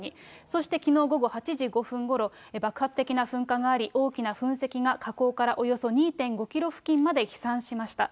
そして、きのう午後８時５分ごろ、爆発的な噴火があり、大きな噴石が火口からおよそ２．５キロ付近まで飛散しました。